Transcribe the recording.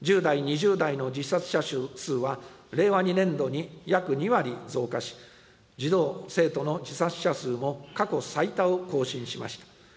１０代、２０代の自殺者数は、令和２年度に約２割増加し、児童・生徒の自殺者数も過去最多を更新しました。